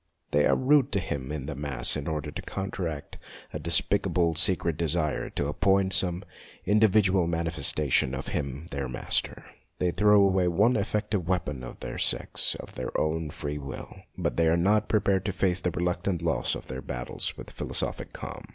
They are rude to him in the mass in order to counteract a despicable, secret desire to appoint some individual manifesta tion of him their master. They throw away the one effective weapon of their sex of their own free will, but they are not prepared to face the resultant loss of all their battles with philosophic calm.